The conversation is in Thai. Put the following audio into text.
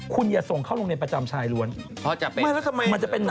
คุณอย่าส่งเขาลงเดินประจำชัยละวันเพราะจะเป็นมันจะเป็นหนักมันจะเป็นหนัก